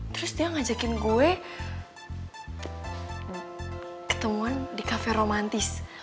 terus dia ngajakin gue ketemuan di kafe romantis